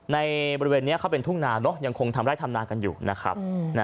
ในบริเวณนี้เขาเป็นทุ่งนายังคงทำร้ายธรรมนากันอยู่นะครับ